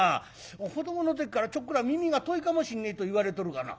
子どもの時からちょっくら耳が遠いかもしんねえと言われとるがな」。